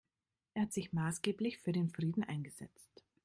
Er hat sich maßgeblich für den Frieden eingesetzt.